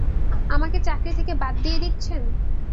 আমাকে চাকরি থেকে বাদ দিয়ে দিচ্ছেন?